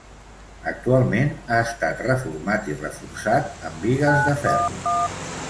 Actualment ha estat reformat i reforçat amb bigues de ferro.